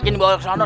jangan bawa ke sana